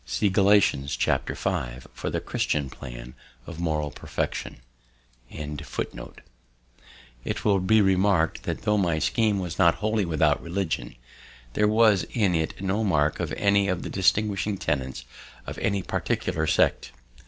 See Galatians, chapter V, for the Christian plan of moral perfection. It will be remark'd that, tho' my scheme was not wholly without religion, there was in it no mark of any of the distinguishing tenets of any particular sect.